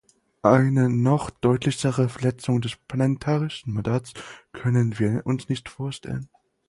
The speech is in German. Eine noch deutlichere Verletzung des parlamentarischen Mandats können wir uns nicht vorstellen.